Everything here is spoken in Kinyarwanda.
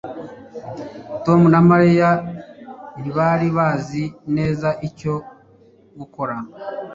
Tom na Mariya ntibari bazi neza icyo gukora